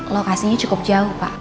lokasinya cukup jauh pak